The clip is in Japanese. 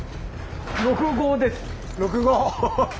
６５です。